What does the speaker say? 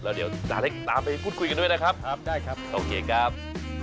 แล้วเดี๋ยวจะได้ตามไปพูดคุยกันด้วยนะครับครับได้ครับโอเคครับ